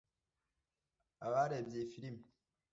abarebye iyi filimi